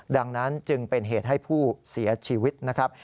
ดังนั้นจึงเป็นเหตุให้ผู้เสียชีวิตนะครับ